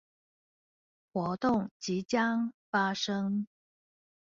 活動即將發生